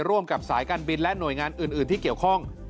ร่วมกับสายการบินและหน่วยงานอื่นที่เกี่ยวข้อง